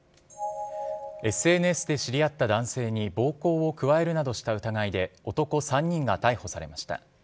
ＳＮＳで知り合った男性に暴行を加えるなどした疑いで、男３人が逮捕されました。